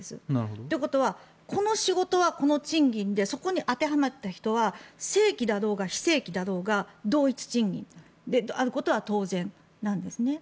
ということはこの仕事はこの賃金でそこに当てはまった人は正規だろうが非正規だろうが同一賃金であることは当然なんです。